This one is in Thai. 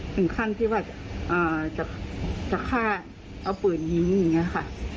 ถึงขั้นที่ว่าจะฆ่าเอาปืนยิงอย่างนี้ค่ะ